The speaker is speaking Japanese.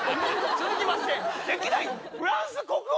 続きまして、歴代フランス国王。